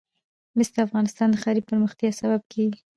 مس د افغانستان د ښاري پراختیا سبب کېږي.